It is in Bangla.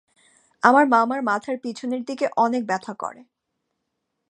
আমার মামার মাথার পিছনের দিকে অনেক ব্যথা করে।